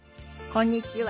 こんにちは。